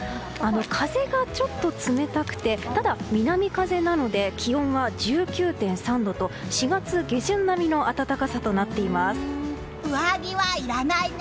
風がちょっと冷たくてただ南風なので気温は１９．３度と４月下旬並みの上着はいらないね！